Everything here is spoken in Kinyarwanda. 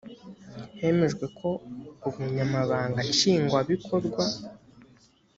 hemejwe ko ubunyamabanga nshingwabikorwa